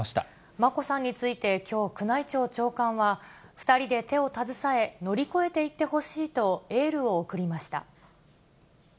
眞子さんについて、きょう、宮内庁長官は、２人で手を携え、乗り越えていってほしいとエールを送りました。